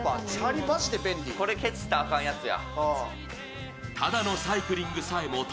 これ、ケチったらあかんやつや。